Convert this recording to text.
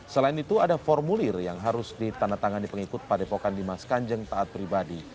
selain itu ada formulir yang harus ditandatangani pengikut padepokan dimas kanjeng taat pribadi